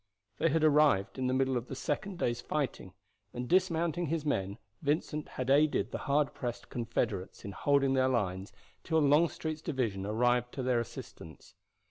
They had arrived in the middle of the second day's fighting, and dismounting his men Vincent had aided the hard pressed Confederates in holding their lines till Longstreet's division arrived to their assistance.